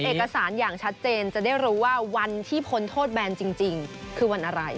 เอกสารอย่างชัดเจนจะได้รู้ว่าวันที่พ้นโทษแบนจริงคือวันอะไร